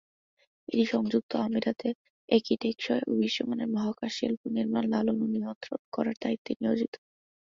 এটি সংযুক্ত আরব আমিরাতে একটি টেকসই ও বিশ্বমানের মহাকাশ শিল্প নির্মাণ, লালন ও নিয়ন্ত্রণ করার দায়িত্বে নিয়োজিত।